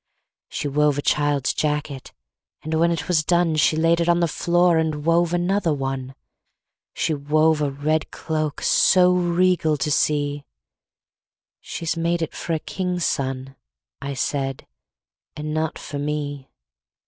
She wove a child's jacket, And when it was done She laid it on the floor And wove another one. She wove a red cloak So regal to see, "She's made it for a king's son," I said, "and not for me."